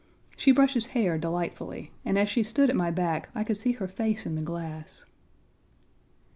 She brushes hair delightfully, and as she stood at my back I could see her face in the glass.